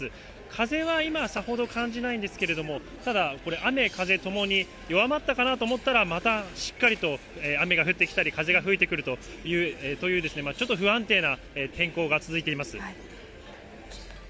風は今、さほど感じないんですけれども、ただ、これ、雨風ともに弱まったかなと思ったらまたしっかりと雨が降ってきたり、風が吹いてくるという、ちょっと不安定な天候が続いています。